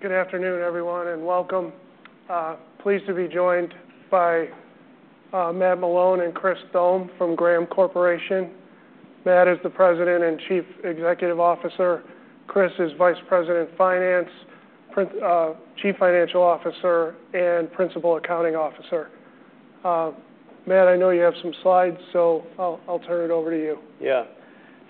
Good afternoon, everyone, and welcome. Pleased to be joined by Matt Malone and Chris Thome from Graham Corporation. Matt is the President and Chief Executive Officer. Chris is Vice President Finance, Chief Financial Officer, and Principal Accounting Officer. Matt, I know you have some slides, so I'll turn it over to you. Yeah.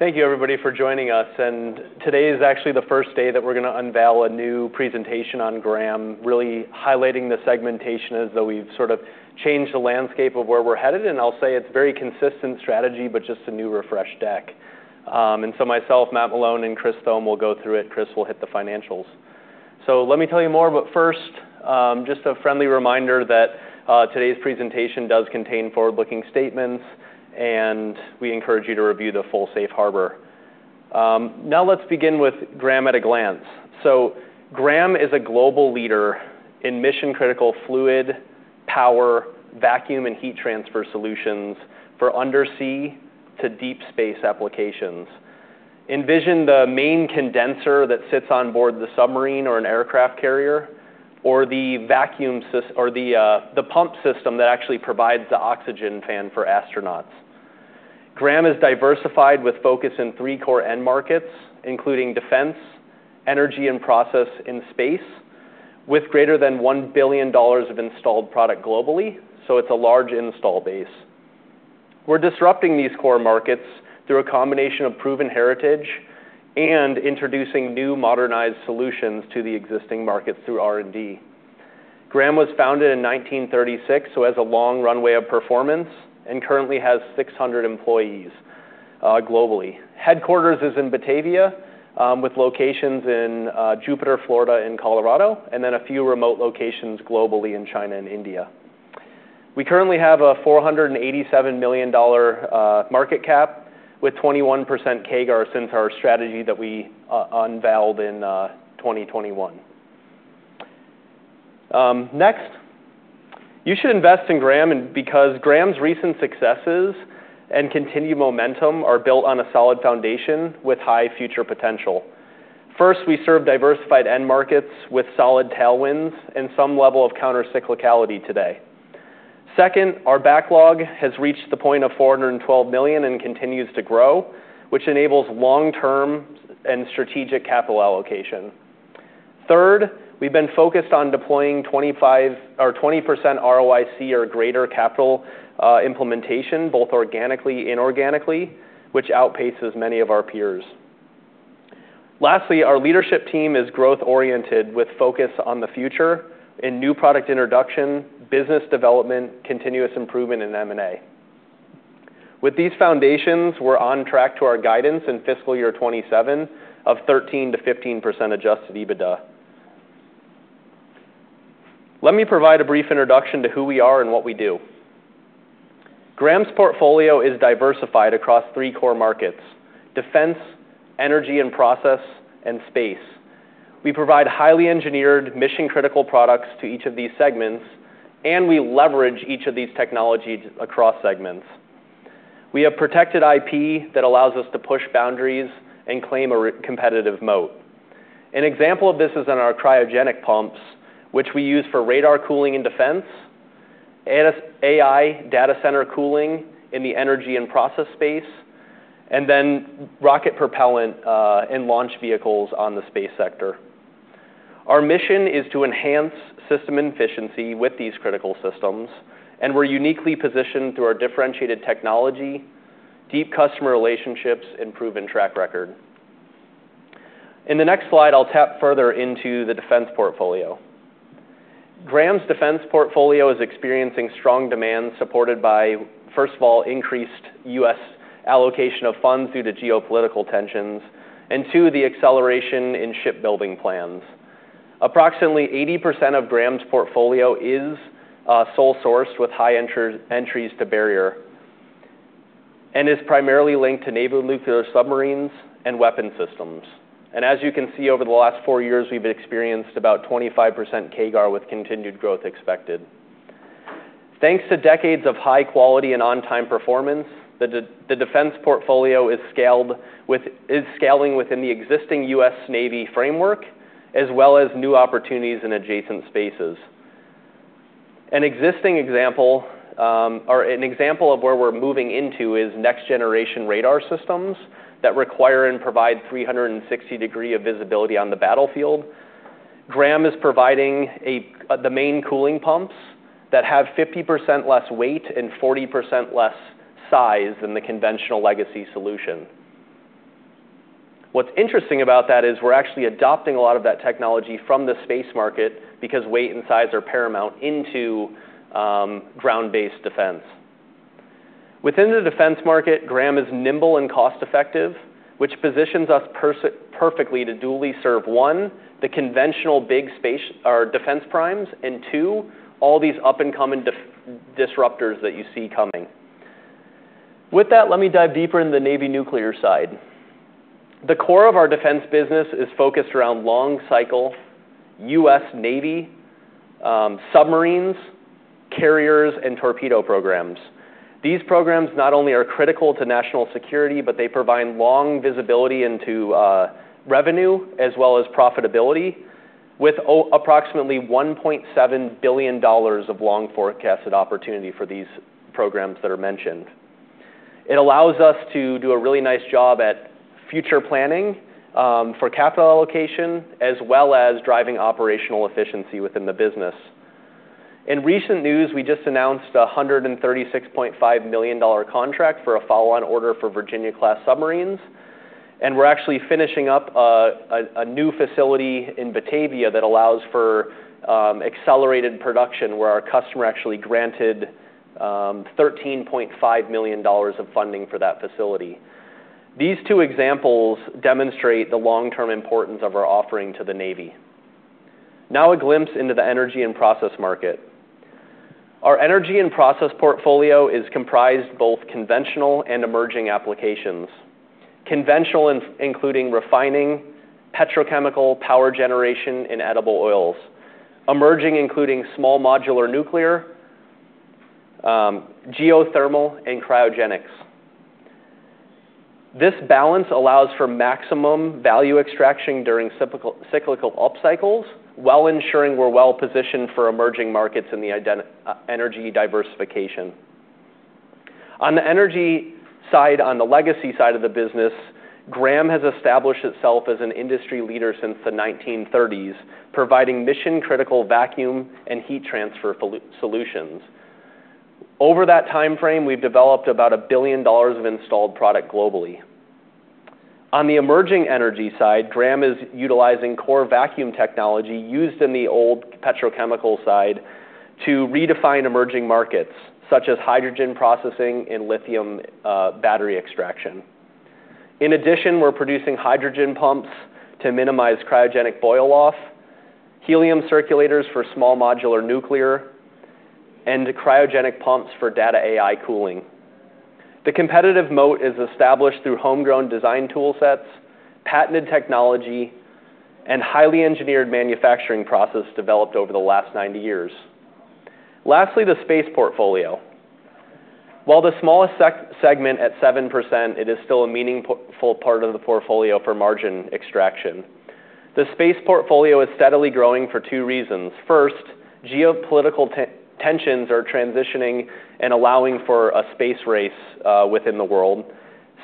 Thank you, everybody, for joining us. Today is actually the first day that we're going to unveil a new presentation on Graham, really highlighting the segmentation as though we've sort of changed the landscape of where we're headed. I'll say it's a very consistent strategy, just a new refreshed deck. Myself, Matt Malone, and Chris Thome will go through it. Chris will hit the financials. Let me tell you more. First, just a friendly reminder that today's presentation does contain forward-looking statements, and we encourage you to review the full safe harbor. Now let's begin with Graham at a glance. Graham is a global leader in mission-critical fluid, power, vacuum, and heat transfer solutions for undersea to deep space applications. Envision the main condenser that sits on board the submarine or an aircraft carrier, or the pump system that actually provides the oxygen fan for astronauts. Graham is diversified with focus in three core end markets, including defense, energy, and process in space, with greater than $1 billion of installed product globally. It is a large install base. We are disrupting these core markets through a combination of proven heritage and introducing new modernized solutions to the existing markets through R&D. Graham was founded in 1936, so it has a long runway of performance and currently has 600 employees globally. Headquarters is in Batavia, with locations in Jupiter, Florida, and Colorado, and then a few remote locations globally in China and India. We currently have a $487 million market cap, with 21% CAGR since our strategy that we unveiled in 2021. Next, you should invest in Graham because Graham's recent successes and continued momentum are built on a solid foundation with high future potential. First, we serve diversified end markets with solid tailwinds and some level of countercyclicality today. Second, our backlog has reached the point of $412 million and continues to grow, which enables long-term and strategic capital allocation. Third, we've been focused on deploying 20% ROIC or greater capital implementation, both organically and inorganically, which outpaces many of our peers. Lastly, our leadership team is growth-oriented with focus on the future and new product introduction, business development, continuous improvement, and M&A. With these foundations, we're on track to our guidance in fiscal year 2027 of 13%-15% adjusted EBITDA. Let me provide a brief introduction to who we are and what we do. Graham's portfolio is diversified across three core markets: defense, energy, process, and space. We provide highly engineered mission-critical products to each of these segments, and we leverage each of these technologies across segments. We have protected IP that allows us to push boundaries and claim a competitive moat. An example of this is in our cryogenic pumps, which we use for radar cooling in defense, AI data center cooling in the energy and process space, and then rocket propellant and launch vehicles on the space sector. Our mission is to enhance system efficiency with these critical systems, and we're uniquely positioned through our differentiated technology, deep customer relationships, and proven track record. In the next slide, I'll tap further into the defense portfolio. Graham's defense portfolio is experiencing strong demand supported by, first of all, increased U.S. allocation of funds due to geopolitical tensions, and two, the acceleration in shipbuilding plans. Approximately 80% of Graham's portfolio is sole sourced with high entries to barrier and is primarily linked to naval nuclear submarines and weapon systems. As you can see, over the last four years, we've experienced about 25% CAGR with continued growth expected. Thanks to decades of high quality and on-time performance, the defense portfolio is scaling within the existing U.S. Navy framework, as well as new opportunities in adjacent spaces. An example of where we're moving into is next-generation radar systems that require and provide 360 degrees of visibility on the battlefield. Graham is providing the main cooling pumps that have 50% less weight and 40% less size than the conventional legacy solution. What's interesting about that is we're actually adopting a lot of that technology from the space market because weight and size are paramount into ground-based defense. Within the defense market, Graham is nimble and cost-effective, which positions us perfectly to duly serve one, the conventional big defense primes, and two, all these up-and-coming disruptors that you see coming. With that, let me dive deeper into the Navy nuclear side. The core of our defense business is focused around long-cycle U.S. Navy submarines, carriers, and torpedo programs. These programs not only are critical to national security, but they provide long visibility into revenue as well as profitability, with approximately $1.7 billion of long forecasted opportunity for these programs that are mentioned. It allows us to do a really nice job at future planning for capital allocation, as well as driving operational efficiency within the business. In recent news, we just announced a $136.5 million contract for a follow-on order for Virginia-class submarines. We are actually finishing up a new facility in Batavia that allows for accelerated production, where our customer actually granted $13.5 million of funding for that facility. These two examples demonstrate the long-term importance of our offering to the Navy. Now a glimpse into the energy and process market. Our energy and process portfolio is comprised of both conventional and emerging applications. Conventional, including refining, petrochemical, power generation, and edible oils. Emerging, including small modular nuclear, geothermal, and cryogenics. This balance allows for maximum value extraction during cyclical upcycles, while ensuring we are well-positioned for emerging markets in the energy diversification. On the energy side, on the legacy side of the business, Graham has established itself as an industry leader since the 1930s, providing mission-critical vacuum and heat transfer solutions. Over that time frame, we have developed about a billion dollars of installed product globally. On the emerging energy side, Graham is utilizing core vacuum technology used in the old petrochemical side to redefine emerging markets, such as hydrogen processing and lithium battery extraction. In addition, we're producing hydrogen pumps to minimize cryogenic boil-off, helium circulators for small modular nuclear, and cryogenic pumps for data AI cooling. The competitive moat is established through homegrown design tool sets, patented technology, and highly engineered manufacturing processes developed over the last 90 years. Lastly, the space portfolio. While the smallest segment at 7%, it is still a meaningful part of the portfolio for margin extraction. The space portfolio is steadily growing for two reasons. First, geopolitical tensions are transitioning and allowing for a space race within the world.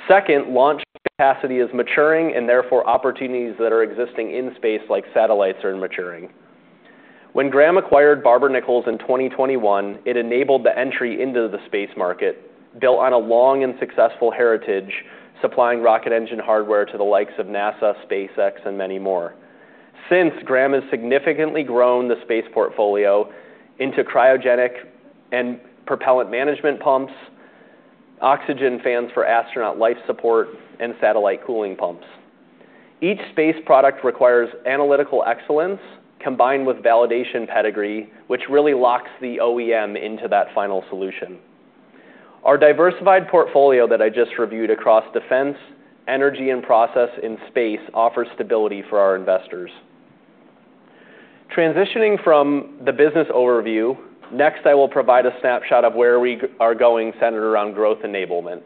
Second, launch capacity is maturing, and therefore opportunities that are existing in space, like satellites, are maturing. When Graham acquired Barber-Nichols in 2021, it enabled the entry into the space market, built on a long and successful heritage, supplying rocket engine hardware to the likes of NASA, SpaceX, and many more. Since, Graham has significantly grown the space portfolio into cryogenic and propellant management pumps, oxygen fans for astronaut life support, and satellite cooling pumps. Each space product requires analytical excellence combined with validation pedigree, which really locks the OEM into that final solution. Our diversified portfolio that I just reviewed across defense, energy, and process in space offers stability for our investors. Transitioning from the business overview, next I will provide a snapshot of where we are going centered around growth enablement.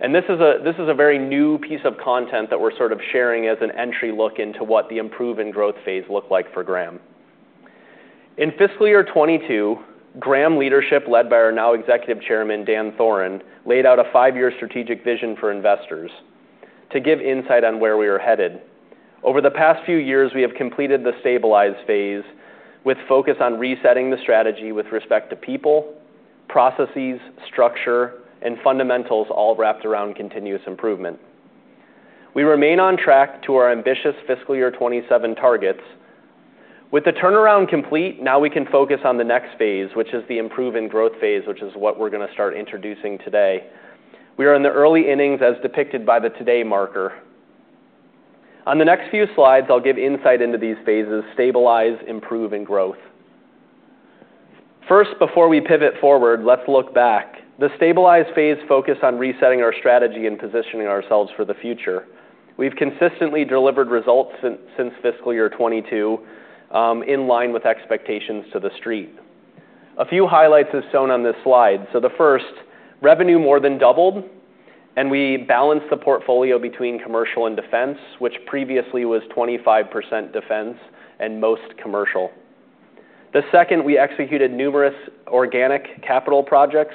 This is a very new piece of content that we're sort of sharing as an entry look into what the improved growth phase looked like for Graham. In fiscal year 2022, Graham leadership, led by our now Executive Chairman, Dan Thoren, laid out a five-year strategic vision for investors to give insight on where we are headed. Over the past few years, we have completed the stabilized phase with focus on resetting the strategy with respect to people, processes, structure, and fundamentals, all wrapped around continuous improvement. We remain on track to our ambitious fiscal year 2027 targets. With the turnaround complete, now we can focus on the next phase, which is the improved growth phase, which is what we're going to start introducing today. We are in the early innings as depicted by the today marker. On the next few slides, I'll give insight into these phases: stabilize, improve, and growth. First, before we pivot forward, let's look back. The stabilized phase focused on resetting our strategy and positioning ourselves for the future. We've consistently delivered results since fiscal year 2022 in line with expectations to the street. A few highlights as shown on this slide. The first, revenue more than doubled, and we balanced the portfolio between commercial and defense, which previously was 25% defense and most commercial. The second, we executed numerous organic capital projects,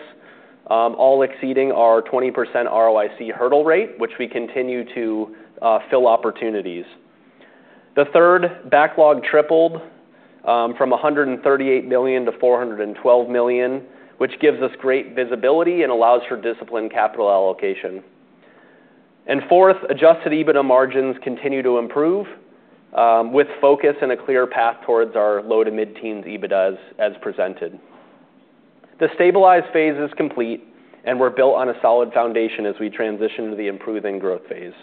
all exceeding our 20% ROIC hurdle rate, which we continue to fill opportunities. The third, backlog tripled from $138 million-$412 million, which gives us great visibility and allows for disciplined capital allocation. Fourth, adjusted EBITDA margins continue to improve with focus and a clear path towards our low to mid-teens EBITDA as presented. The stabilized phase is complete, and we're built on a solid foundation as we transition to the improving growth phase.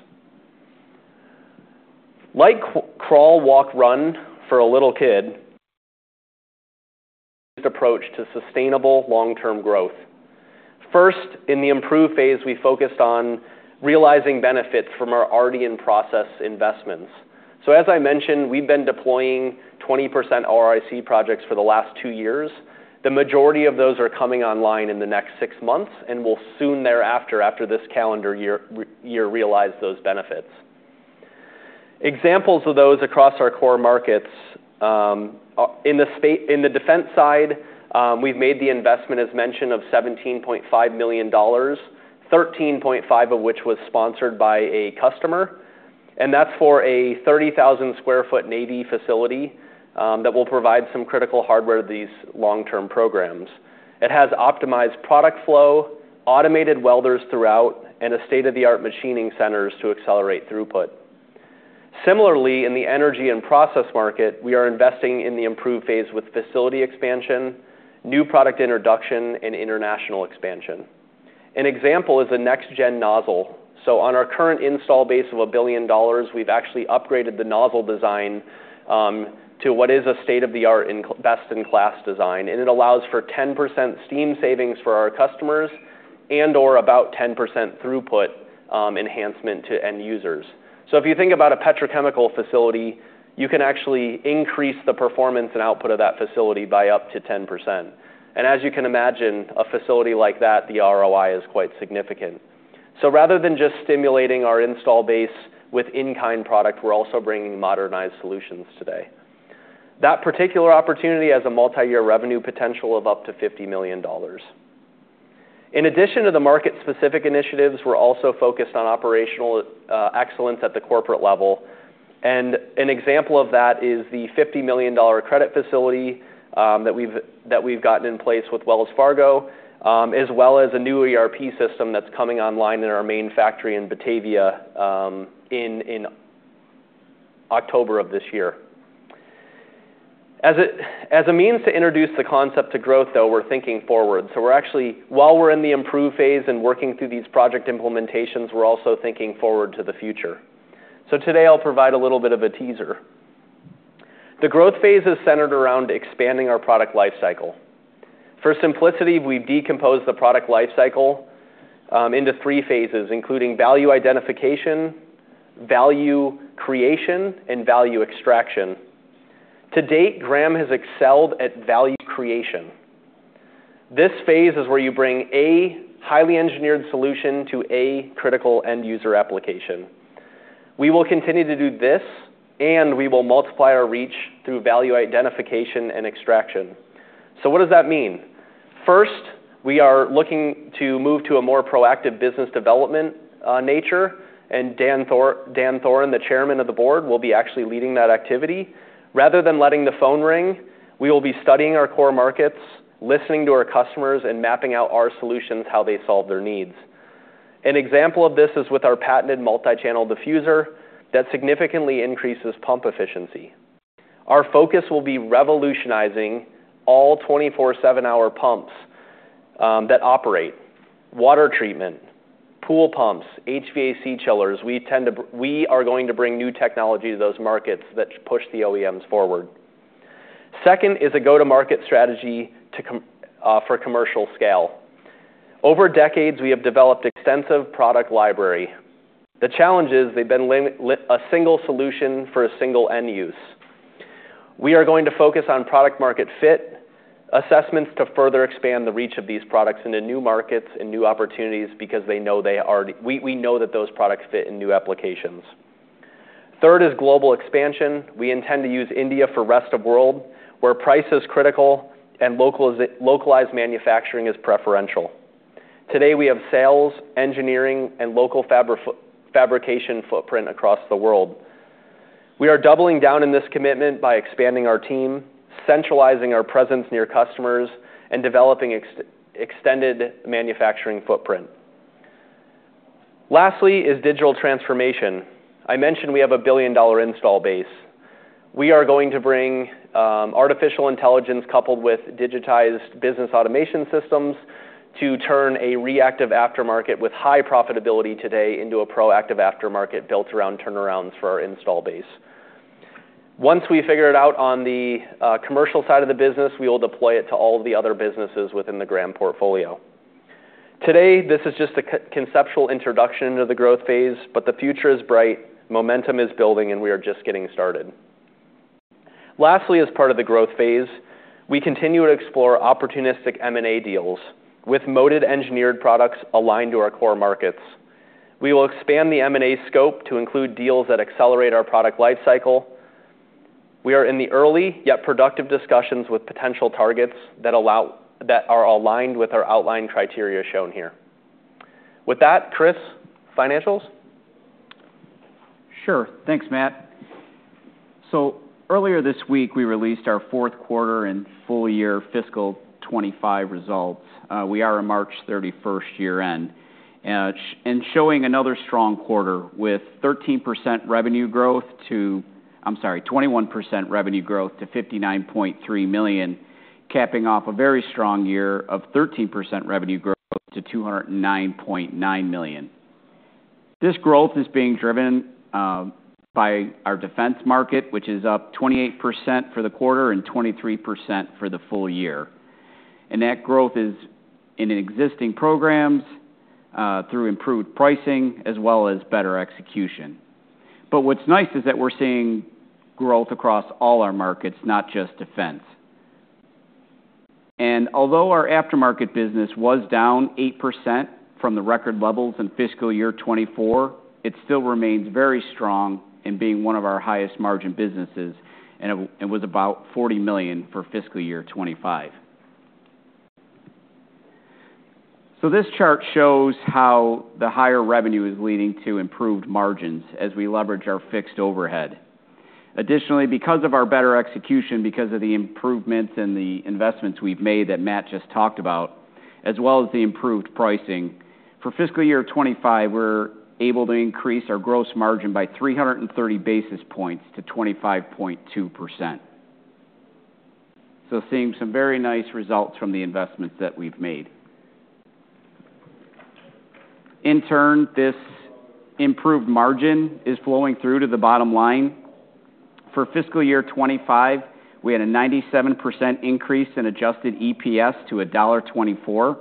Like crawl, walk, run for a little kid, we used an approach to sustainable long-term growth. First, in the improved phase, we focused on realizing benefits from our already in process investments. As I mentioned, we've been deploying 20% ROIC projects for the last two years. The majority of those are coming online in the next six months, and we'll soon thereafter, after this calendar year, realize those benefits. Examples of those across our core markets. In the defense side, we've made the investment, as mentioned, of $17.5 million, $13.5 million of which was sponsored by a customer. That's for a 30,000 sq ft Navy facility that will provide some critical hardware to these long-term programs. It has optimized product flow, automated welders throughout, and state-of-the-art machining centers to accelerate throughput. Similarly, in the energy and process market, we are investing in the improved phase with facility expansion, new product introduction, and international expansion. An example is a next-gen nozzle. On our current install base of $1 billion, we've actually upgraded the nozzle design to what is a state-of-the-art and best-in-class design. It allows for 10% steam savings for our customers and/or about 10% throughput enhancement to end users. If you think about a petrochemical facility, you can actually increase the performance and output of that facility by up to 10%. As you can imagine, a facility like that, the ROI is quite significant. Rather than just stimulating our install base with in-kind product, we're also bringing modernized solutions today. That particular opportunity has a multi-year revenue potential of up to $50 million. In addition to the market-specific initiatives, we're also focused on operational excellence at the corporate level. An example of that is the $50 million credit facility that we've gotten in place with Wells Fargo, as well as a new ERP system that's coming online in our main factory in Batavia in October of this year. As a means to introduce the concept to growth, though, we're thinking forward. While we're in the improved phase and working through these project implementations, we're also thinking forward to the future. Today, I'll provide a little bit of a teaser. The growth phase is centered around expanding our product lifecycle. For simplicity, we've decomposed the product lifecycle into three phases, including value identification, value creation, and value extraction. To date, Graham has excelled at value creation. This phase is where you bring a highly engineered solution to a critical end user application. We will continue to do this, and we will multiply our reach through value identification and extraction. What does that mean? First, we are looking to move to a more proactive business development nature. Dan Thoren, the Chairman of the Board, will be actually leading that activity. Rather than letting the phone ring, we will be studying our core markets, listening to our customers, and mapping out our solutions, how they solve their needs. An example of this is with our patented multi-channel diffuser that significantly increases pump efficiency. Our focus will be revolutionizing all 24/7 hour pumps that operate, water treatment, pool pumps, HVAC chillers. We are going to bring new technology to those markets that push the OEMs forward. Second is a go-to-market strategy for commercial scale. Over decades, we have developed an extensive product library. The challenge is they've been a single solution for a single end use. We are going to focus on product-market fit assessments to further expand the reach of these products into new markets and new opportunities because they know they already we know that those products fit in new applications. Third is global expansion. We intend to use India for the rest of the world where price is critical and localized manufacturing is preferential. Today, we have sales, engineering, and local fabrication footprint across the world. We are doubling down on this commitment by expanding our team, centralizing our presence near customers, and developing extended manufacturing footprint. Lastly is digital transformation. I mentioned we have a billion-dollar install base. We are going to bring artificial intelligence coupled with digitized business automation systems to turn a reactive aftermarket with high profitability today into a proactive aftermarket built around turnarounds for our install base. Once we figure it out on the commercial side of the business, we will deploy it to all of the other businesses within the Graham portfolio. Today, this is just a conceptual introduction into the growth phase, but the future is bright, momentum is building, and we are just getting started. Lastly, as part of the growth phase, we continue to explore opportunistic M&A deals with motivated engineered products aligned to our core markets. We will expand the M&A scope to include deals that accelerate our product lifecycle. We are in the early yet productive discussions with potential targets that are aligned with our outline criteria shown here. With that, Chris, financials? Sure. Thanks, Matt. Earlier this week, we released our fourth quarter and full year fiscal 2025 results. We are on March 31st year-end, and showing another strong quarter with 21% revenue growth to $59.3 million, capping off a very strong year of 13% revenue growth to $209.9 million. This growth is being driven by our defense market, which is up 28% for the quarter and 23% for the full year. That growth is in existing programs through improved pricing as well as better execution. What's nice is that we're seeing growth across all our markets, not just defense. Although our aftermarket business was down 8% from the record levels in fiscal year 2024, it still remains very strong and being one of our highest margin businesses, and it was about $40 million for fiscal year 2025. This chart shows how the higher revenue is leading to improved margins as we leverage our fixed overhead. Additionally, because of our better execution, because of the improvements and the investments we've made that Matt just talked about, as well as the improved pricing, for fiscal year 2025, we're able to increase our gross margin by 330 basis points to 25.2%. Seeing some very nice results from the investments that we've made. In turn, this improved margin is flowing through to the bottom line. For fiscal year 2025, we had a 97% increase in adjusted EPS to $1.24.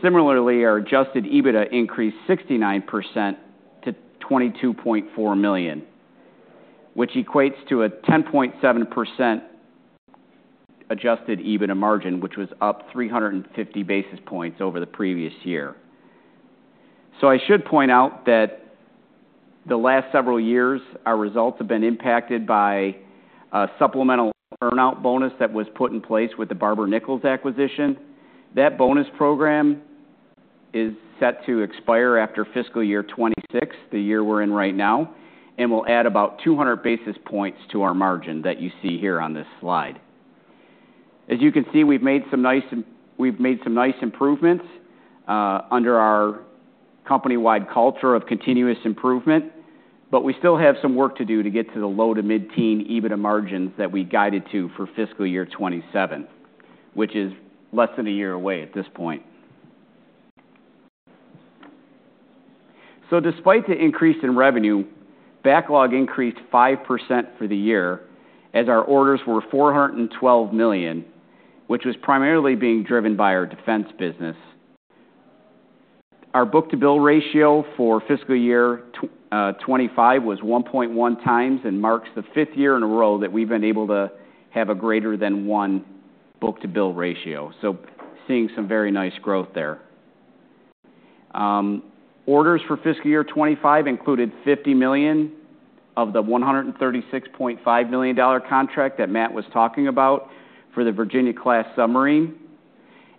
Similarly, our adjusted EBITDA increased 69% to $22.4 million, which equates to a 10.7% adjusted EBITDA margin, which was up 350 basis points over the previous year. I should point out that the last several years, our results have been impacted by a supplemental earn-out bonus that was put in place with the Barber-Nichols acquisition. That bonus program is set to expire after fiscal year 2026, the year we are in right now, and will add about 200 basis points to our margin that you see here on this slide. As you can see, we have made some nice improvements under our company-wide culture of continuous improvement, but we still have some work to do to get to the low to mid-teens EBITDA margins that we guided to for fiscal year 2027, which is less than a year away at this point. Despite the increase in revenue, backlog increased 5% for the year as our orders were $412 million, which was primarily being driven by our defense business. Our book-to-bill ratio for fiscal year 2025 was 1.1 times and marks the fifth year in a row that we've been able to have a greater than one book-to-bill ratio. Seeing some very nice growth there. Orders for fiscal year 2025 included $50 million of the $136.5 million contract that Matt was talking about for the Virginia-class submarine.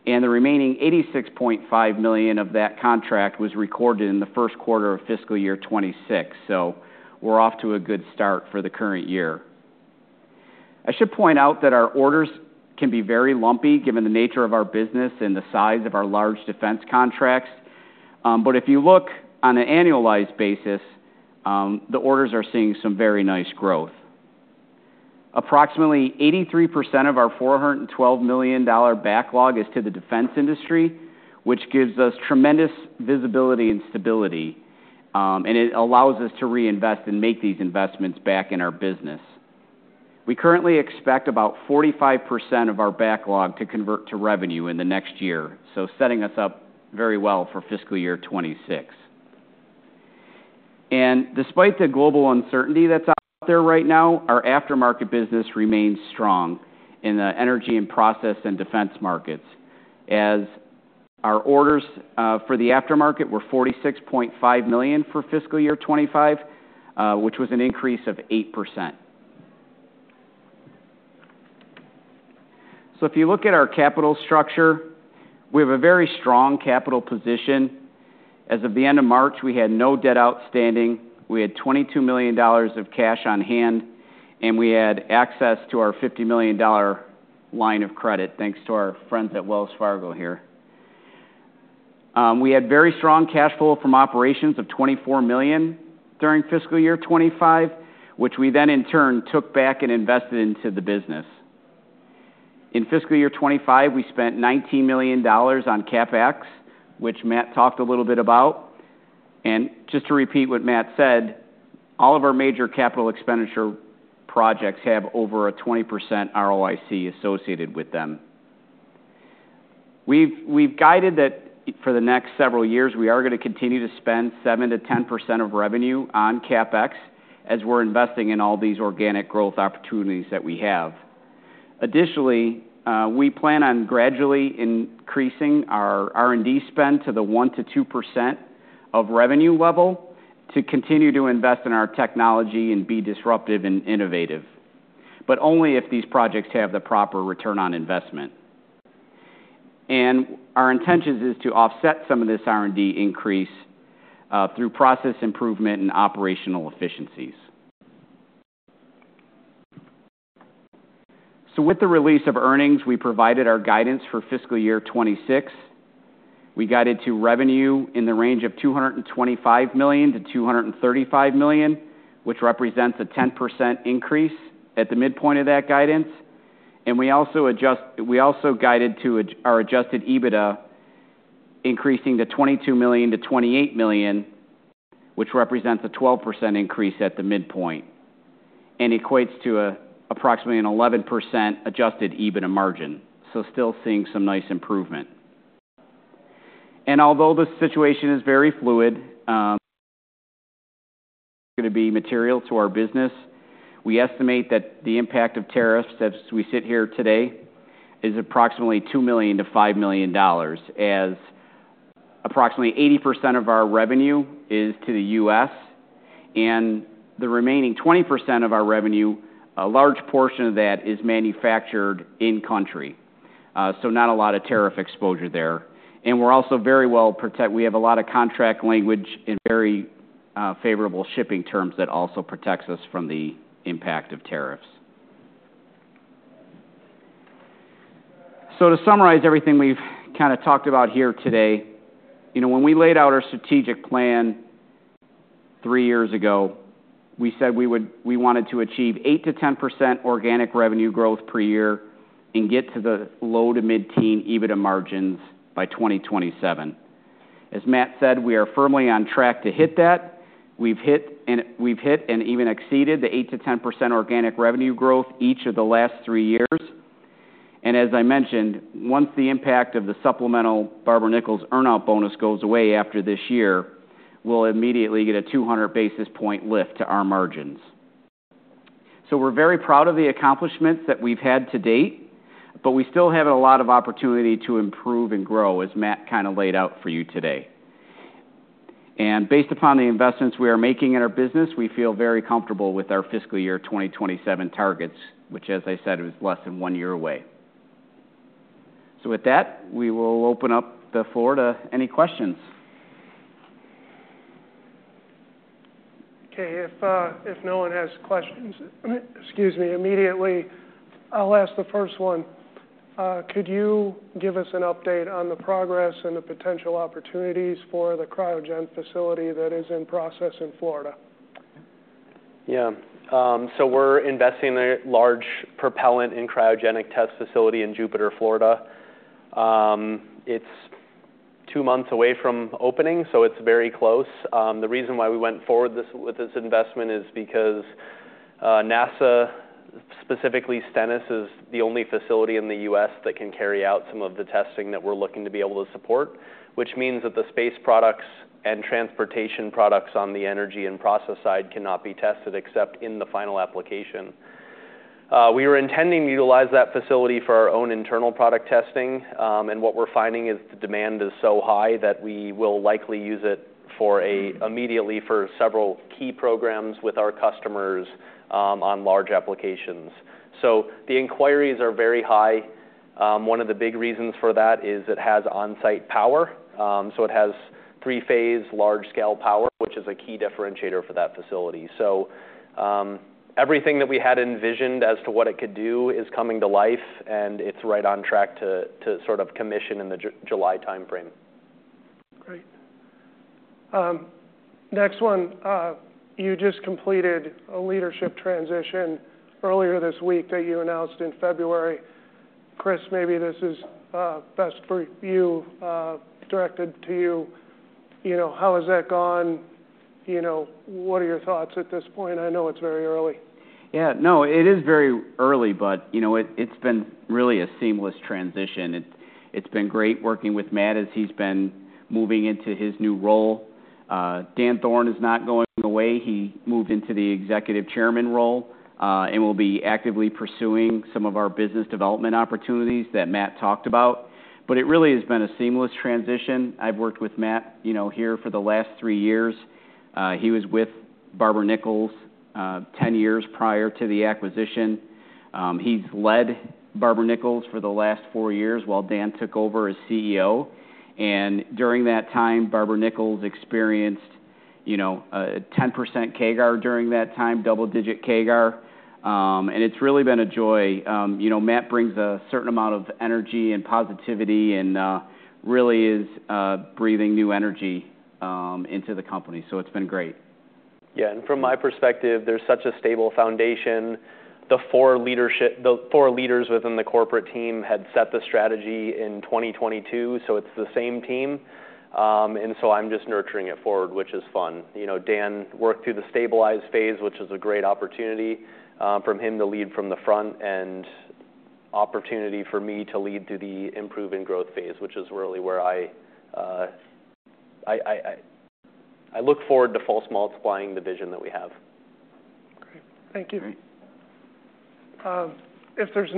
The remaining $86.5 million of that contract was recorded in the first quarter of fiscal year 2026. We're off to a good start for the current year. I should point out that our orders can be very lumpy given the nature of our business and the size of our large defense contracts. If you look on an annualized basis, the orders are seeing some very nice growth. Approximately 83% of our $412 million backlog is to the defense industry, which gives us tremendous visibility and stability, and it allows us to reinvest and make these investments back in our business. We currently expect about 45% of our backlog to convert to revenue in the next year, setting us up very well for fiscal year 2026. Despite the global uncertainty that is out there right now, our aftermarket business remains strong in the energy and process and defense markets as our orders for the aftermarket were $46.5 million for fiscal year 2025, which was an increase of 8%. If you look at our capital structure, we have a very strong capital position. As of the end of March, we had no debt outstanding. We had $22 million of cash on hand, and we had access to our $50 million line of credit thanks to our friends at Wells Fargo here. We had very strong cash flow from operations of $24 million during fiscal year 2025, which we then in turn took back and invested into the business. In fiscal year 2025, we spent $19 million on CapEx, which Matt talked a little bit about. Just to repeat what Matt said, all of our major capital expenditure projects have over a 20% ROIC associated with them. We've guided that for the next several years, we are going to continue to spend 7-10% of revenue on CapEx as we're investing in all these organic growth opportunities that we have. Additionally, we plan on gradually increasing our R&D spend to the 1%-2% of revenue level to continue to invest in our technology and be disruptive and innovative, but only if these projects have the proper return on investment. Our intention is to offset some of this R&D increase through process improvement and operational efficiencies. With the release of earnings, we provided our guidance for fiscal year 2026. We guided to revenue in the range of $225 million-$235 million, which represents a 10% increase at the midpoint of that guidance. We also guided to our adjusted EBITDA, increasing to $22 million-$28 million, which represents a 12% increase at the midpoint and equates to approximately an 11% adjusted EBITDA margin. Still seeing some nice improvement. Although the situation is very fluid, going to be material to our business, we estimate that the impact of tariffs as we sit here today is approximately $2 million-$5 million, as approximately 80% of our revenue is to the U.S., and the remaining 20% of our revenue, a large portion of that is manufactured in-country. Not a lot of tariff exposure there. We are also very well protected. We have a lot of contract language and very favorable shipping terms that also protects us from the impact of tariffs. To summarize everything we've kind of talked about here today, when we laid out our strategic plan three years ago, we said we wanted to achieve 8%-10% organic revenue growth per year and get to the low to mid-teens EBITDA margins by 2027. As Matt said, we are firmly on track to hit that. We've hit and even exceeded the 8-10% organic revenue growth each of the last three years. And as I mentioned, once the impact of the supplemental Barber-Nichols earn-out bonus goes away after this year, we'll immediately get a 200 basis point lift to our margins. So we're very proud of the accomplishments that we've had to date, but we still have a lot of opportunity to improve and grow, as Matt kind of laid out for you today. And based upon the investments we are making in our business, we feel very comfortable with our fiscal year 2027 targets, which, as I said, is less than one year away. So with that, we will open up the floor to any questions. Okay. If no one has questions, excuse me, immediately, I'll ask the first one. Could you give us an update on the progress and the potential opportunities for the cryogen facility that is in process in Florida? Yeah. So we're investing in a large propellant and cryogenic test facility in Jupiter, Florida. It's two months away from opening, so it's very close. The reason why we went forward with this investment is because NASA, specifically Stennis, is the only facility in the U.S. that can carry out some of the testing that we're looking to be able to support, which means that the space products and transportation products on the energy and process side cannot be tested except in the final application. We were intending to utilize that facility for our own internal product testing, and what we're finding is the demand is so high that we will likely use it immediately for several key programs with our customers on large applications. The inquiries are very high. One of the big reasons for that is it has on-site power. It has three-phase large-scale power, which is a key differentiator for that facility. Everything that we had envisioned as to what it could do is coming to life, and it is right on track to sort of commission in the July timeframe. Great. Next one. You just completed a leadership transition earlier this week that you announced in February. Chris, maybe this is best for you, directed to you. How has that gone? What are your thoughts at this point? I know it is very early. Yeah. No, it is very early, but it has been really a seamless transition. It has been great working with Matt as he has been moving into his new role. Dan Thoren is not going away. He moved into the Executive Chairman role and will be actively pursuing some of our business development opportunities that Matt talked about. It really has been a seamless transition. I've worked with Matt here for the last three years. He was with Barber-Nichols ten years prior to the acquisition. He's led Barber-Nichols for the last four years while Dan took over as CEO. During that time, Barber-Nichols experienced a 10% CAGR during that time, double-digit CAGR. It's really been a joy. Matt brings a certain amount of energy and positivity and really is breathing new energy into the company. It's been great. Yeah. From my perspective, there's such a stable foundation. The four leaders within the corporate team had set the strategy in 2022, so it's the same team. I'm just nurturing it forward, which is fun. Dan worked through the stabilized phase, which is a great opportunity for him to lead from the front and opportunity for me to lead through the improvement growth phase, which is really where I look forward to false multiplying the vision that we have. Great. Thank you. If there's.